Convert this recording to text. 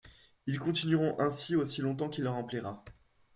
Ils continueront ainsi aussi longtemps qu'il leur en plaira.